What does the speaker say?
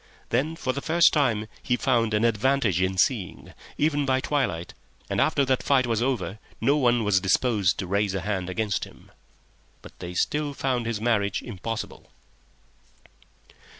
Then for the first time he found an advantage in seeing, even by twilight, and after that fight was over no one was disposed to raise a hand against him. But they still found his marriage impossible.